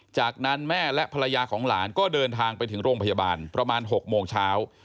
จากนั้นแม่และภรรยาของหลานก็เดินทางไปถึงโรงพยาบาลประมาณ๖โมงเช้า